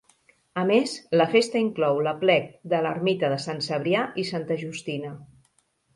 A més, la festa inclou l'aplec de l'ermita de Sant Cebrià i Santa Justina.